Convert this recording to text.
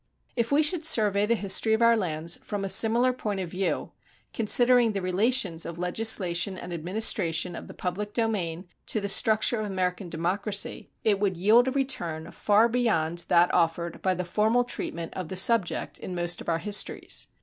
If we should survey the history of our lands from a similar point of view, considering the relations of legislation and administration of the public domain to the structure of American democracy, it would yield a return far beyond that offered by the formal treatment of the subject in most of our histories.